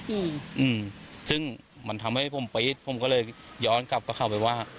อืมอืมซึ่งมันทำให้ผมปี๊ดผมก็เลยย้อนกลับกับเขาไปว่า